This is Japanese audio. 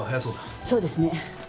そうですね。